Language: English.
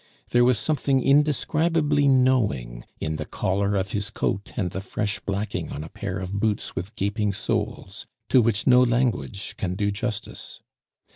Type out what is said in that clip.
There was something indescribably knowing in the collar of his coat, and the fresh blacking on a pair of boots with gaping soles, to which no language can do justice.